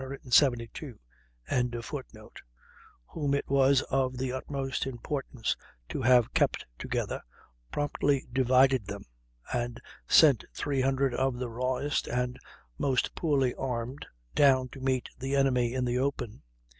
] whom it was of the utmost importance to have kept together, promptly divided them and sent three hundred of the rawest and most poorly armed down to meet the enemy in the open.